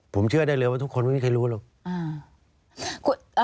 ผมเชื่อได้เลยว่าทุกคนไม่มีใครรู้หรอก